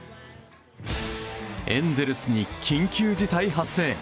エンゼルスに緊急事態発生。